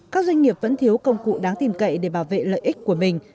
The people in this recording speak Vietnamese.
các doanh nghiệp vẫn thiếu công cụ đáng tìm cậy để bảo vệ lợi ích của mình